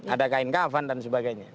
ada kain kafan dan sebagainya